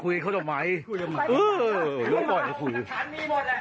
เฮ้ยไปคุยกับเค้าจะไหม